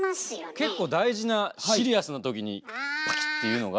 結構大事なシリアスな時にパキッていうのが。